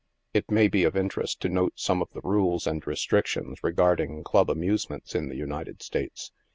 " It may be of interest to note some of the rules and restrictions regarding club amusements in the United States.